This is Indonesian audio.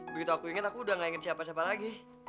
begitu aku inget aku udah gak ingin siapa siapa lagi